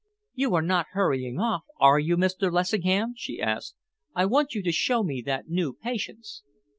"You are not hurrying off, are you, Mr. Lessingham?" she asked. "I want you to show me that new Patience."